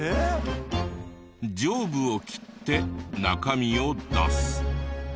上部を切って中身を出す。